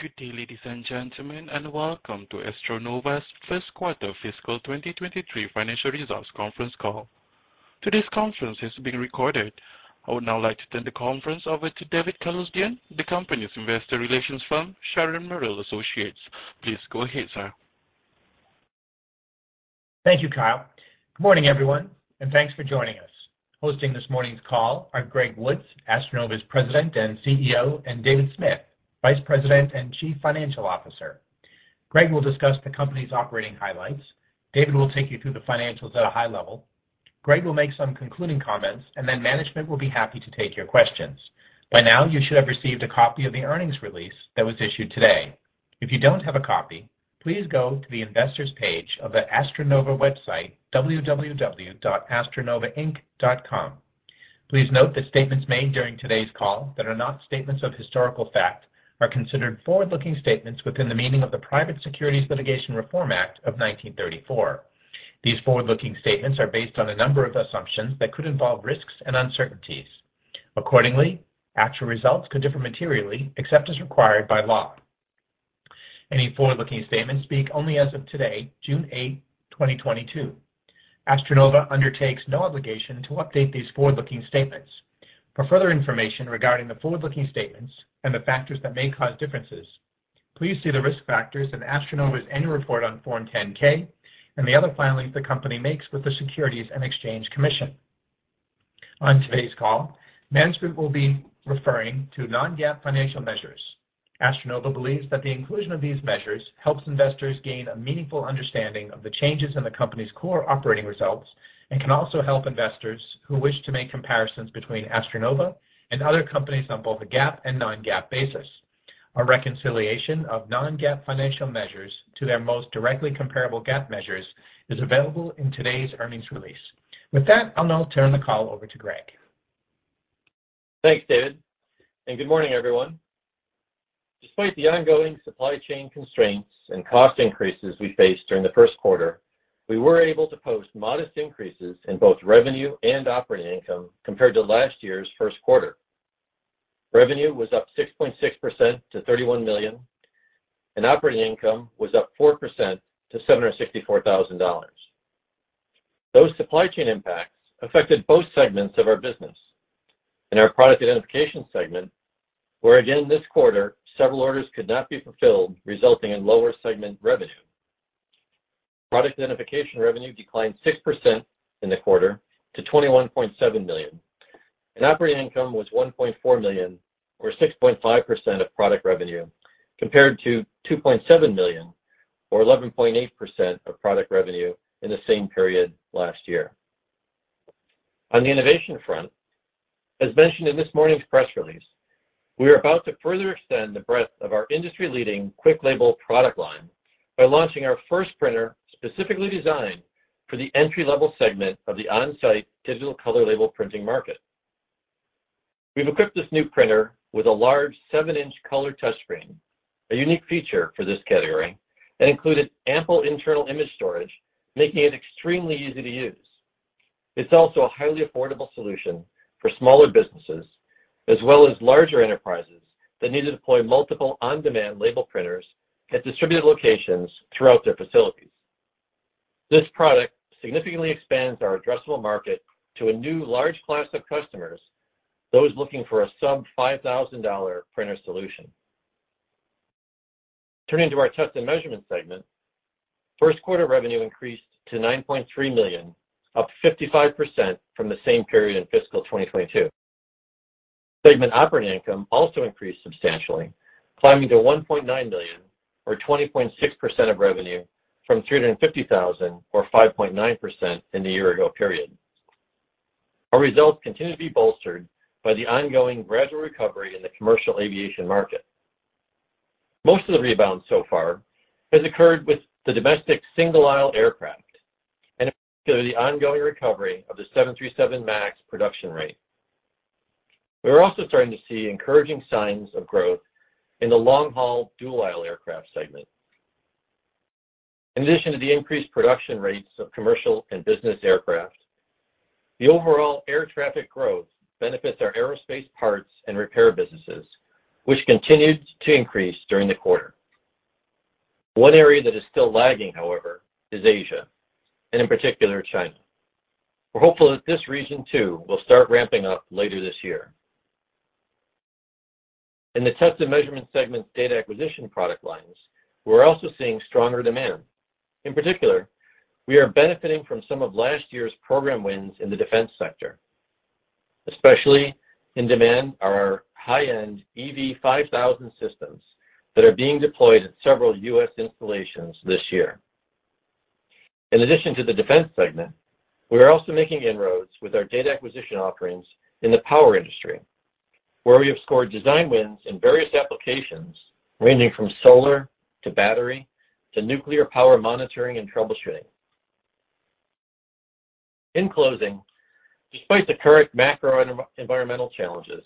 Good day, ladies and gentlemen, and welcome to AstroNova's first quarter fiscal 2023 financial results conference call. Today's conference is being recorded. I would now like to turn the conference over to David Calusdian, the company's investor relations firm, Sharon Merrill Associates. Please go ahead, sir. Thank you, Kyle. Good morning, everyone, and thanks for joining us. Hosting this morning's call are Greg Woods, AstroNova's President and CEO, and David Smith, Vice President and Chief Financial Officer. Greg will discuss the company's operating highlights. David will take you through the financials at a high level. Greg will make some concluding comments, and then management will be happy to take your questions. By now, you should have received a copy of the earnings release that was issued today. If you don't have a copy, please go to the Investors page of the AstroNova website, www.astronovainc.com. Please note that statements made during today's call that are not statements of historical fact are considered forward-looking statements within the meaning of the Private Securities Litigation Reform Act of 1995. These forward-looking statements are based on a number of assumptions that could involve risks and uncertainties. Accordingly, actual results could differ materially, except as required by law. Any forward-looking statements speak only as of today, June 8, 2022. AstroNova undertakes no obligation to update these forward-looking statements. For further information regarding the forward-looking statements and the factors that may cause differences, please see the risk factors in AstroNova's annual report on Form 10-K and the other filings the company makes with the Securities and Exchange Commission. On today's call, management will be referring to non-GAAP financial measures. AstroNova believes that the inclusion of these measures helps investors gain a meaningful understanding of the changes in the company's core operating results and can also help investors who wish to make comparisons between AstroNova and other companies on both a GAAP and non-GAAP basis. A reconciliation of non-GAAP financial measures to their most directly comparable GAAP measures is available in today's earnings release. With that, I'll now turn the call over to Greg. Thanks, David, and good morning, everyone. Despite the ongoing supply chain constraints and cost increases we faced during the first quarter, we were able to post modest increases in both revenue and operating income compared to last year's first quarter. Revenue was up 6.6% to $31 million, and operating income was up 4% to $764,000. Those supply chain impacts affected both segments of our business. In our Product Identification segment, where again this quarter, several orders could not be fulfilled, resulting in lower segment revenue. Product Identification revenue declined 6% in the quarter to $21.7 million, and operating income was $1.4 million or 6.5% of product revenue, compared to $2.7 million or 11.8% of product revenue in the same period last year. On the innovation front, as mentioned in this morning's press release, we are about to further extend the breadth of our industry-leading QuickLabel product line by launching our first printer specifically designed for the entry-level segment of the on-site digital color label printing market. We've equipped this new printer with a large seven-inch color touchscreen, a unique feature for this category, and included ample internal image storage, making it extremely easy to use. It's also a highly affordable solution for smaller businesses, as well as larger enterprises that need to deploy multiple on-demand label printers at distributed locations throughout their facilities. This product significantly expands our addressable market to a new large class of customers, those looking for a sub-$5,000 printer solution. Turning to our Test & Measurement segment, first quarter revenue increased to $9.3 million, up 55% from the same period in fiscal 2022. Segment operating income also increased substantially, climbing to $1.9 million or 20.6% of revenue from $350,000 or 5.9% in the year-ago period. Our results continue to be bolstered by the ongoing gradual recovery in the commercial aviation market. Most of the rebound so far has occurred with the domestic single aisle aircraft, and in particular, the ongoing recovery of the 737 MAX production rate. We are also starting to see encouraging signs of growth in the long-haul dual aisle aircraft segment. In addition to the increased production rates of commercial and business aircraft, the overall air traffic growth benefits our aerospace parts and repair businesses, which continued to increase during the quarter. One area that is still lagging, however, is Asia, and in particular, China. We're hopeful that this region, too, will start ramping up later this year. In the Test & Measurement segment's data acquisition product lines, we're also seeing stronger demand. In particular, we are benefiting from some of last year's program wins in the defense sector. Especially in demand are our high-end EV-5000 systems that are being deployed at several U.S. installations this year. In addition to the defense segment, we are also making inroads with our data acquisition offerings in the power industry, where we have scored design wins in various applications ranging from solar to battery to nuclear power monitoring and troubleshooting. In closing, despite the current macro environmental challenges,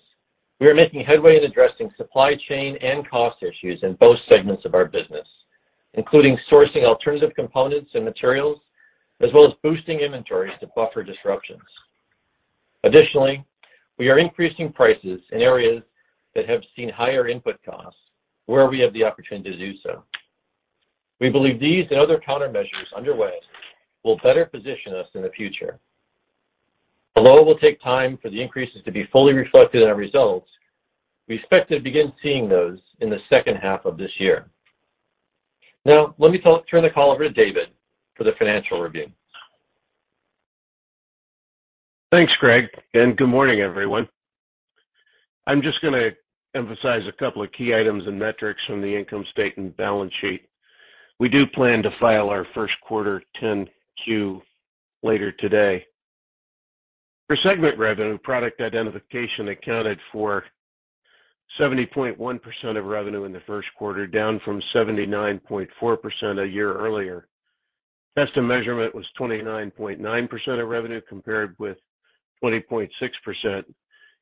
we are making headway in addressing supply chain and cost issues in both segments of our business, including sourcing alternative components and materials, as well as boosting inventories to buffer disruptions. Additionally, we are increasing prices in areas that have seen higher input costs where we have the opportunity to do so. We believe these and other countermeasures underway will better position us in the future. Although it will take time for the increases to be fully reflected in our results, we expect to begin seeing those in the second half of this year. Now let me turn the call over to David for the financial review. Thanks, Greg, and good morning, everyone. I'm just gonna emphasize a couple of key items and metrics from the income statement and balance sheet. We do plan to file our first quarter 10-Q later today. For segment revenue, Product Identification accounted for 70.1% of revenue in the first quarter, down from 79.4% a year earlier. Test & Measurement was 29.9% of revenue, compared with 20.6%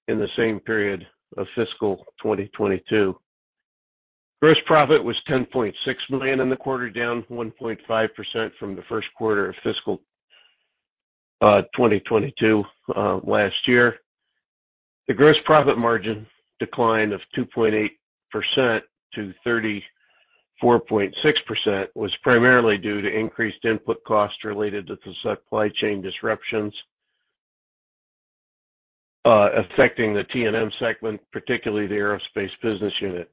in the same period of fiscal 2022. Gross profit was $10.6 million in the quarter, down 1.5% from the first quarter of fiscal 2022 last year. The gross profit margin decline of 2.8% to 34.6% was primarily due to increased input costs related to the supply chain disruptions affecting the T&M segment, particularly the aerospace business unit.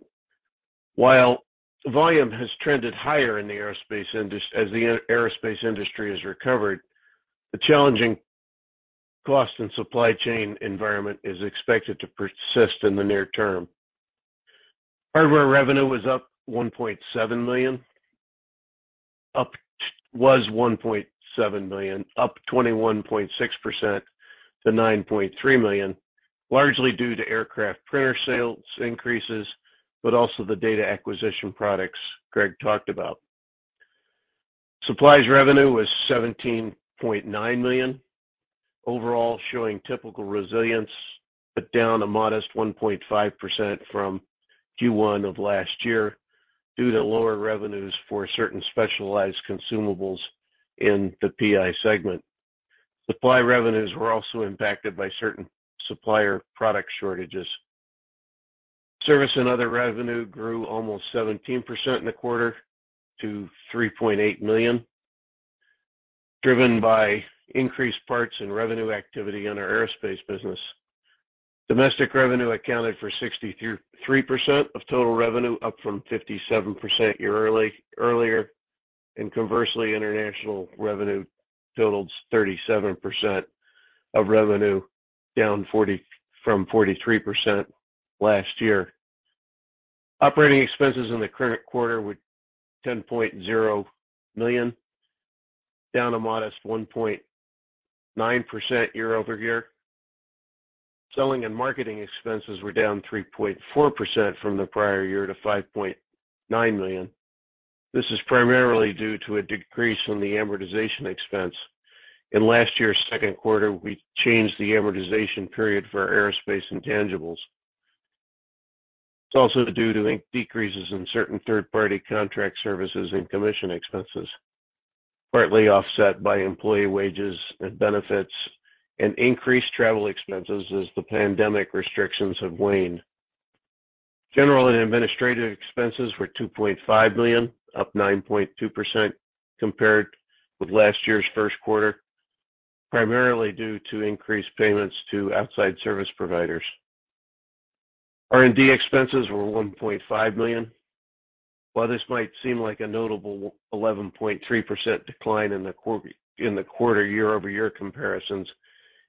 While volume has trended higher in the aerospace industry as it has recovered, the challenging cost and supply chain environment is expected to persist in the near term. Hardware revenue was up $1.7 million, up 21.6% to $9.3 million, largely due to aircraft printer sales increases, but also the data acquisition products Greg talked about. Supplies revenue was $17.9 million overall, showing typical resilience, but down a modest 1.5% from Q1 of last year due to lower revenues for certain specialized consumables in the PI segment. Supplies revenues were also impacted by certain supplier product shortages. Service and other revenue grew almost 17% in the quarter to $3.8 million, driven by increased parts and revenue activity in our aerospace business. Domestic revenue accounted for 63% of total revenue, up from 57% earlier, and conversely, international revenue totaled 37% of revenue, down from 43% last year. Operating expenses in the current quarter were $10.0 million, down a modest 1.9% year-over-year. Selling and marketing expenses were down 3.4% from the prior year to $5.9 million. This is primarily due to a decrease in the amortization expense. In last year's second quarter, we changed the amortization period for our aerospace intangibles. It's also due to decreases in certain third-party contract services and commission expenses, partly offset by employee wages and benefits and increased travel expenses as the pandemic restrictions have waned. General and administrative expenses were $2.5 million, up 9.2% compared with last year's first quarter, primarily due to increased payments to outside service providers. R&D expenses were $1.5 million. While this might seem like a notable 11.3% decline in the quarter year-over-year comparisons,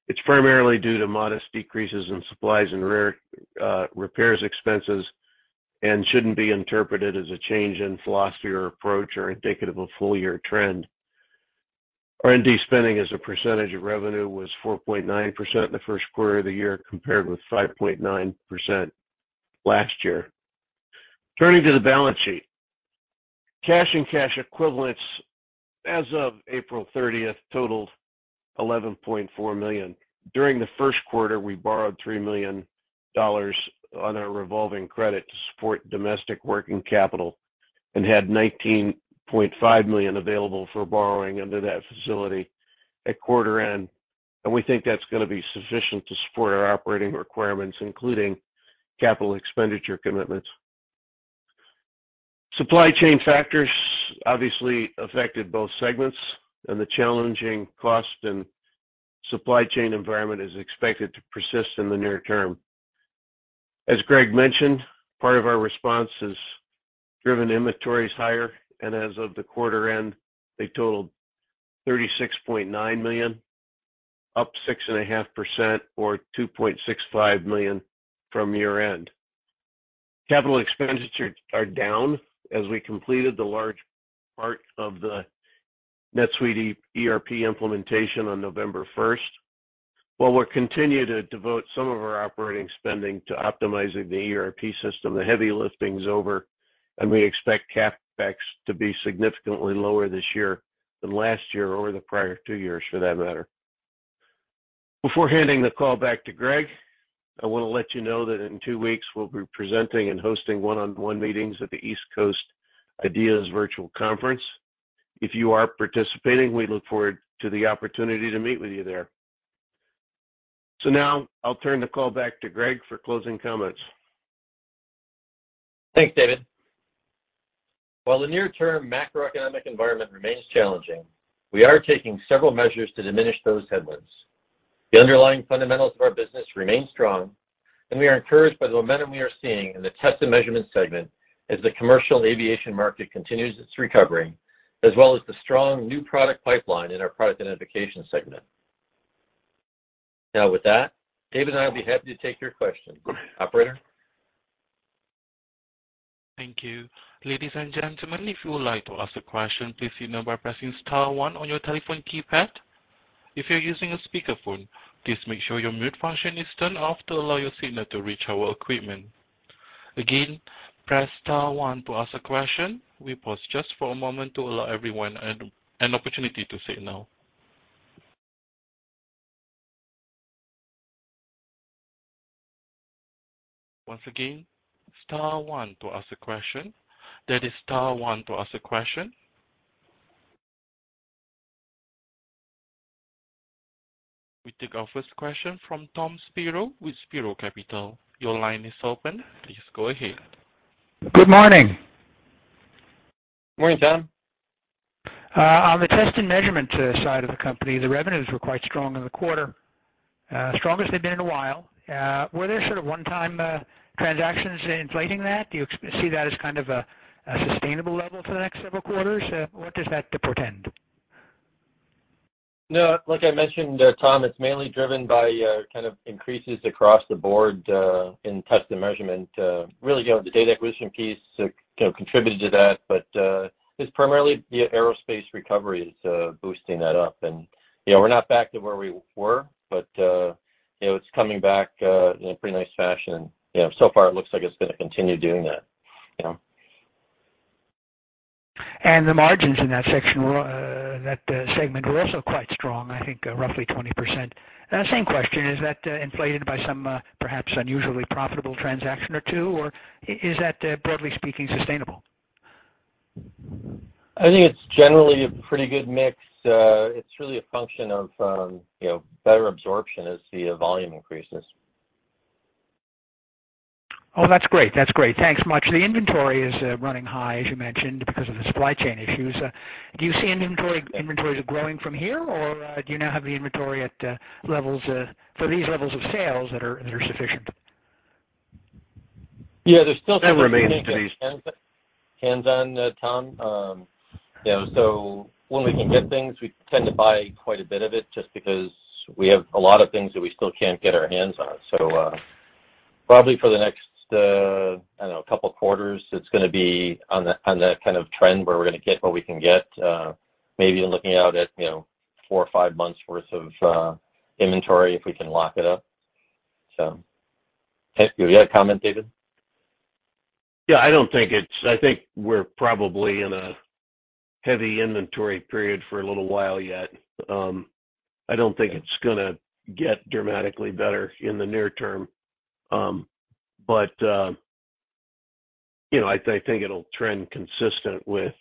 it's primarily due to modest decreases in supplies and repairs expenses and shouldn't be interpreted as a change in philosophy or approach or indicative of full-year trend. R&D spending as a percentage of revenue was 4.9% in the first quarter of the year compared with 5.9% last year. Turning to the balance sheet. Cash and cash equivalents as of April 30 totaled $11.4 million. During the first quarter, we borrowed $3 million on our revolving credit to support domestic working capital and had $19.5 million available for borrowing under that facility at quarter end, and we think that's gonna be sufficient to support our operating requirements, including capital expenditure commitments. Supply chain factors obviously affected both segments and the challenging cost and supply chain environment is expected to persist in the near term. As Greg mentioned, part of our response has driven inventories higher, and as of the quarter end, they totaled $36.9 million, up 6.5% or $2.65 million from year-end. Capital expenditures are down as we completed the large part of the NetSuite ERP implementation on November first. While we'll continue to devote some of our operating spending to optimizing the ERP system, the heavy lifting is over and we expect CapEx to be significantly lower this year than last year or the prior two years for that matter. Before handing the call back to Greg, I want to let you know that in two weeks we'll be presenting and hosting one-on-one meetings at the East Coast IDEAS Virtual Conference. If you are participating, we look forward to the opportunity to meet with you there. Now I'll turn the call back to Greg for closing comments. Thanks, David. While the near-term macroeconomic environment remains challenging, we are taking several measures to diminish those headwinds. The underlying fundamentals of our business remain strong, and we are encouraged by the momentum we are seeing in the Test & Measurement segment as the commercial aviation market continues its recovery, as well as the strong new product pipeline in our Product Identification segment. Now with that, David and I will be happy to take your questions. Operator? Thank you. Ladies and gentlemen, if you would like to ask a question, please signal by pressing star one on your telephone keypad. If you're using a speakerphone, please make sure your mute function is turned off to allow your signal to reach our equipment. Again, press star one to ask a question. We pause just for a moment to allow everyone an opportunity to sign now. Once again, star one to ask a question. That is star one to ask a question. We take our first question from Tom Spiro with Spiro Capital. Your line is open. Please go ahead. Good morning. Morning, Tom. On the Test & Measurement side of the company, the revenues were quite strong in the quarter, strongest they've been in a while. Were there sort of one-time transactions inflating that? Do you expect to see that as kind of a sustainable level to the next several quarters? What does that portend? No. Like I mentioned, Tom, it's mainly driven by kind of increases across the board in Test & Measurement. Really, you know, the data acquisition piece, you know, contributed to that, but it's primarily via aerospace recovery is boosting that up. You know, we're not back to where we were, but you know, it's coming back in a pretty nice fashion. You know, so far it looks like it's gonna continue doing that, you know. The margins in that segment were also quite strong, I think, roughly 20%. Same question, is that inflated by some, perhaps unusually profitable transaction or two, or is that, broadly speaking, sustainable? I think it's generally a pretty good mix. It's really a function of, you know, better absorption as the volume increases. Oh, that's great. That's great. Thanks much. The inventory is running high, as you mentioned, because of the supply chain issues. Do you see inventory, inventories growing from here, or do you now have the inventory at levels for these levels of sales that are sufficient? Yeah. There's still some That remain today. hands on, Tom. You know, when we can get things, we tend to buy quite a bit of it just because we have a lot of things that we still can't get our hands on. Probably for the next, I don't know, couple quarters, it's gonna be on that kind of trend where we're gonna get what we can get, maybe looking out at, you know, four or five months' worth of inventory if we can lock it up. You have a comment, David? Yeah. I think we're probably in a heavy inventory period for a little while yet. I don't think it's gonna get dramatically better in the near term. You know, I think it'll trend consistent with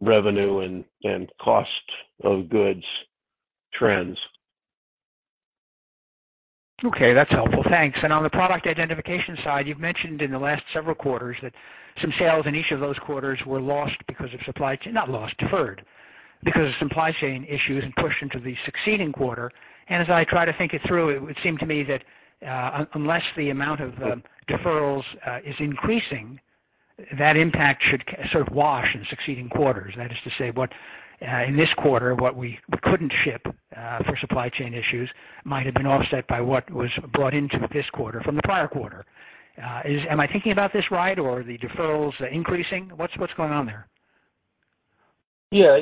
revenue and cost of goods trends. Okay. That's helpful. Thanks. On the Product Identification side, you've mentioned in the last several quarters that some sales in each of those quarters were lost, not lost, deferred, because of supply chain issues and pushed into the succeeding quarter. As I try to think it through, it would seem to me that unless the amount of deferrals is increasing, that impact should sort of wash in succeeding quarters. That is to say, in this quarter, what we couldn't ship for supply chain issues might have been offset by what was brought into this quarter from the prior quarter. Am I thinking about this right or are the deferrals increasing? What's going on there? Yeah.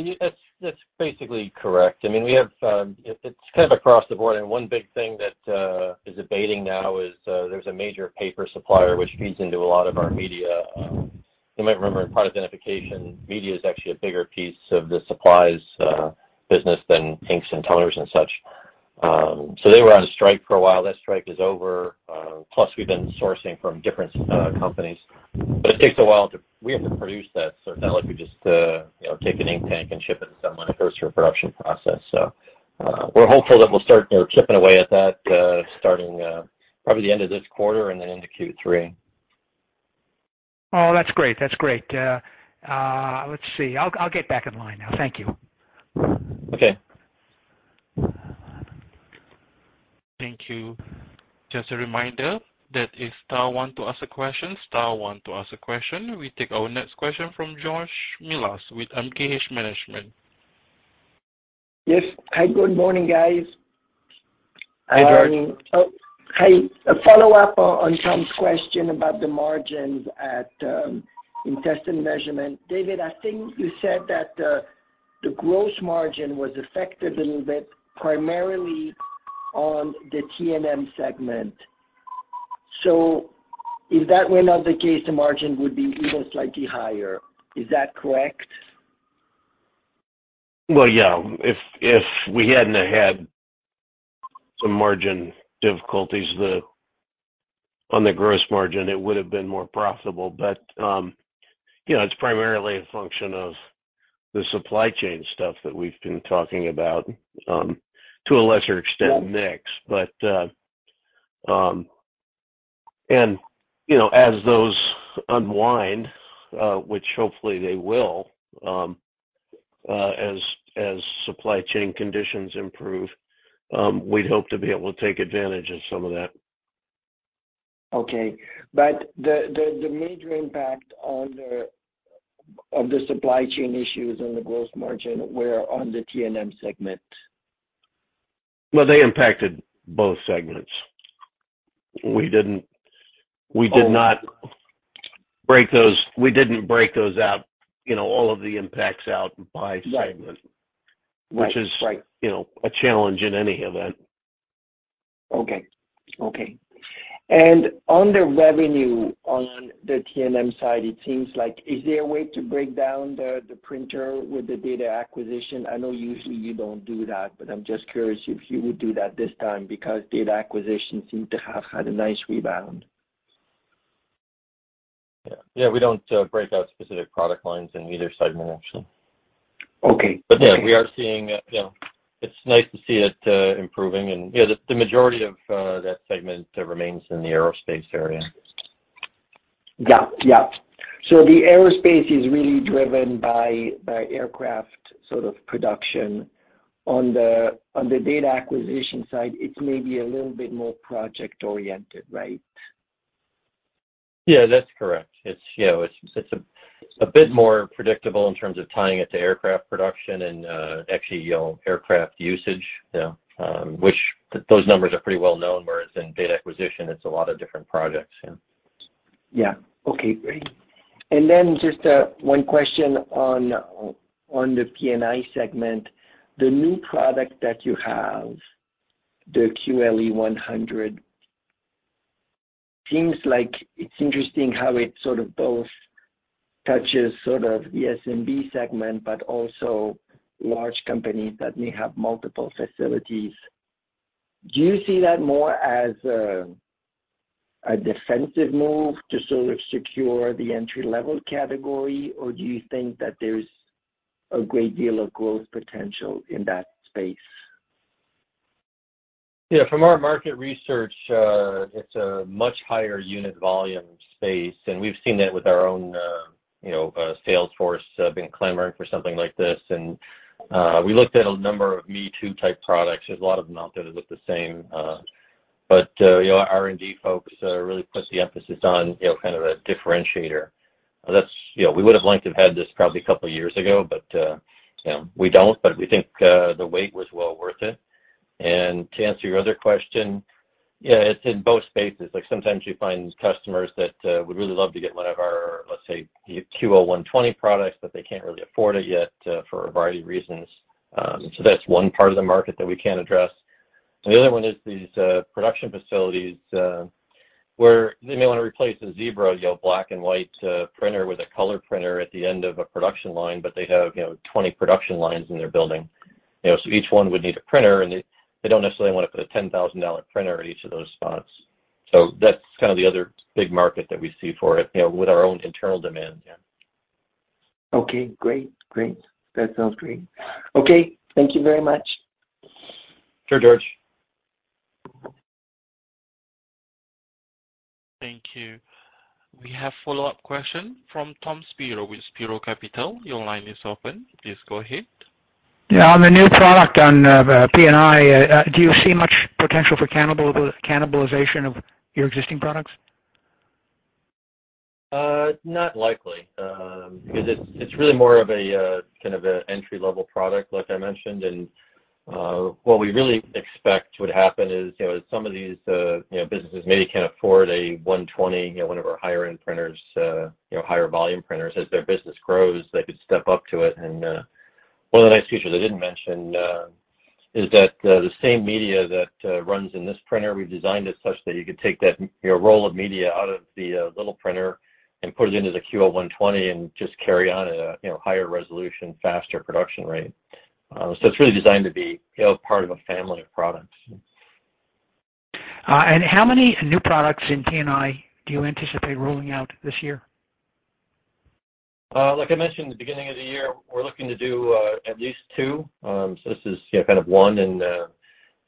That's basically correct. I mean, it's kind of across the board. One big thing that is abating now is there's a major paper supplier which feeds into a lot of our media. You might remember in Product Identification, media is actually a bigger piece of the supplies business than inks and toners and such. They were on strike for a while. That strike is over. Plus we've been sourcing from different companies. But it takes a while, we have to produce that. We're hopeful that we'll start, you know, chipping away at that starting probably the end of this quarter and then into Q3. Oh, that's great. Let's see. I'll get back in line now. Thank you. Okay. Thank you. Just a reminder, that's star one to ask a question. We take our next question from George Melas with MKH Management. Yes. Hi. Good morning, guys. Hi, George. Hi. A follow-up on Tom's question about the margins in Test & Measurement. David, I think you said that the gross margin was affected a little bit primarily on the T&M segment. If that were not the case, the margin would be even slightly higher. Is that correct? Well, yeah, if we hadn't have had some margin difficulties on the gross margin, it would have been more profitable. You know, it's primarily a function of the supply chain stuff that we've been talking about, to a lesser extent mix. You know, as those unwind, which hopefully they will, as supply chain conditions improve, we'd hope to be able to take advantage of some of that. The major impact of the supply chain issues and the gross margin were on the T&M segment. Well, they impacted both segments. We didn't break those out, you know, all of the impacts out by segment. Right. Right. Which is, you know, a challenge in any event. Okay. On the revenue on the T&M side, it seems like is there a way to break down the printer with the data acquisition? I know usually you don't do that, but I'm just curious if you would do that this time because data acquisition seemed to have had a nice rebound. Yeah. Yeah, we don't break out specific product lines in either segment, actually. Okay. Yeah, we are seeing, you know, it's nice to see it improving and yeah, the majority of that segment remains in the aerospace area. Yeah. The aerospace is really driven by aircraft sort of production. On the data acquisition side, it's maybe a little bit more project oriented, right? Yeah, that's correct. It's, you know, a bit more predictable in terms of tying it to aircraft production and, actually, you know, aircraft usage, you know, which those numbers are pretty well known, whereas in data acquisition it's a lot of different projects, yeah. Yeah. Okay, great. One question on the PI segment. The new product that you have, the QL-E100, seems like it's interesting how it sort of both touches sort of the SMB segment, but also large companies that may have multiple facilities. Do you see that more as a defensive move to sort of secure the entry-level category? Or do you think that there's a great deal of growth potential in that space? Yeah. From our market research, it's a much higher unit volume space, and we've seen that with our own, you know, sales force been clamoring for something like this. We looked at a number of me-too type products. There's a lot of them out there that look the same. Our R&D folks really puts the emphasis on, you know, kind of a differentiator. That's, you know, we would have liked to have had this probably a couple of years ago, but, you know, we don't. We think the wait was well worth it. To answer your other question, yeah, it's in both spaces. Like, sometimes you find customers that would really love to get one of our, let's say, QL-120 products, but they can't really afford it yet for a variety of reasons. That's one part of the market that we can address. The other one is these production facilities where they may want to replace a Zebra, you know, black and white printer with a color printer at the end of a production line, but they have, you know, 20 production lines in their building. You know, each one would need a printer, and they don't necessarily want to put a $10,000 printer at each of those spots. That's kind of the other big market that we see for it, you know, with our own internal demand, yeah. Okay, great. Great. That sounds great. Okay, thank you very much. Sure, George. Thank you. We have a follow-up question from Tom Spiro with Spiro Capital. Your line is open. Please go ahead. Yeah. On the new product on PI, do you see much potential for cannibalization of your existing products? Not likely, because it's really more of a kind of an entry-level product, like I mentioned. What we really expect would happen is, you know, some of these, you know, businesses maybe can't afford a QL-120, you know, one of our higher-end printers, you know, higher volume printers. As their business grows, they could step up to it. One of the nice features I didn't mention is that, the same media that runs in this printer, we've designed it such that you could take that, you know, roll of media out of the little printer and put it into the QL-120 and just carry on at a, you know, higher resolution, faster production rate. It's really designed to be, you know, part of a family of products. How many new products in PI do you anticipate rolling out this year? Like I mentioned at the beginning of the year, we're looking to do at least two. This is, you know, kind of one and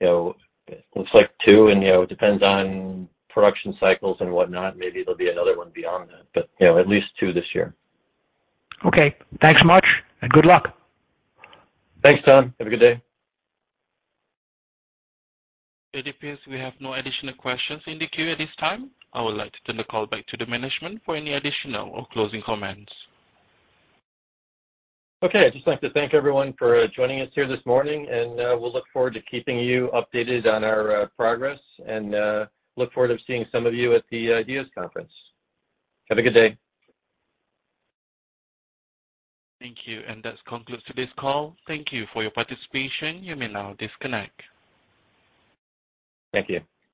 you know, looks like two. You know, it depends on production cycles and whatnot. Maybe there'll be another one beyond that. You know, at least two this year. Okay. Thanks much, and good luck. Thanks, Tom. Have a good day. It appears we have no additional questions in the queue at this time. I would like to turn the call back to the management for any additional or closing comments. Okay. I'd just like to thank everyone for joining us here this morning, and we'll look forward to keeping you updated on our progress and look forward to seeing some of you at the IDEAS Conference. Have a good day. Thank you. That concludes today's call. Thank you for your participation. You may now disconnect. Thank you.